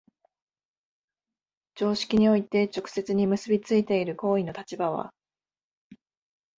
常識において直接に結び付いている行為の立場は、